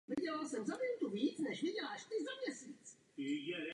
Na území města se nachází též železniční zastávka "Častolovice zastávka".